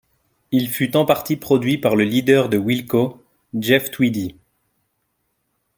Il fut en partie produit par le leader de Wilco, Jeff Tweedy.